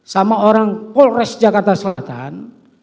sama orang polres jakarta selatan